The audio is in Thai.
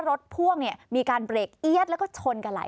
รถพ่วงเนี่ยมีการเบรกเอี๊ยดแล้วก็ชนกันหลาย